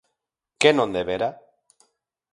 Que non debera?